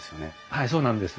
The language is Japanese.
はいそうなんです。